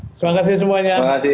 terima kasih semuanya